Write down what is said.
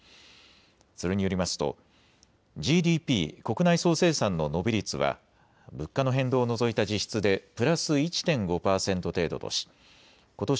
それによりますとＧＤＰ・国内総生産の伸び率は物価の変動を除いた実質でプラス１．５％程度としことし